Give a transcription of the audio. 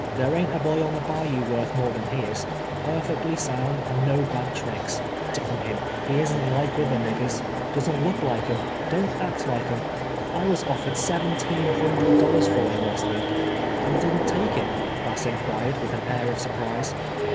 There ain't a boy on the bayou worth more tlian he is — perfect ly sound, and no bad tricks. D — n him, he isn't like other niggers ; doesn't look like 'em — don't act like 'em. I was ofiered seventeen hundred dollars for him last week." " And didn't take it ?" Bass inquired, with an air of surprise.